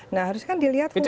nah harus kan dilihat